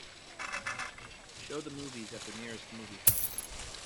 show the movies at the nearest movie house